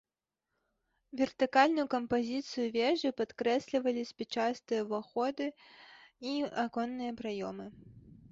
Вертыкальную кампазіцыю вежы падкрэслівалі спічастыя ўваходы і аконныя праёмы.